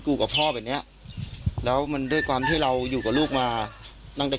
กับพ่อแบบเนี้ยแล้วมันด้วยความที่เราอยู่กับลูกมาตั้งแต่